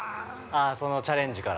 ◆あ、そのチャレンジから。